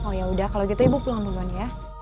oh yaudah kalau gitu ibu pulang beban ya